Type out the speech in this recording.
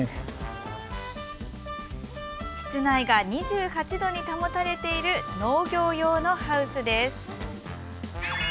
室内が２８度に保たれている農業用のハウスです。